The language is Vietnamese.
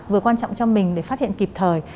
vừa quan trọng cho mình để phát hiện kịp thời